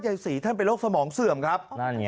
ใยศรีท่านเป็นโรคสมองเสื่อมครับ